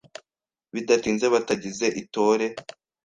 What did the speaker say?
bidatinze batangiza itore